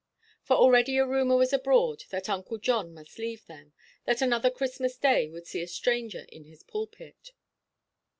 For already a rumour was abroad that "Uncle John" must leave them, that another Christmas Day would see a stranger in his pulpit.